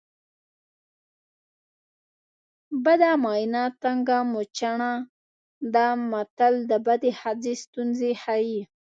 بده ماینه تنګه موچڼه ده متل د بدې ښځې ستونزې ښيي